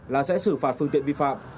là sẽ xử phạt phương tiện vi phạm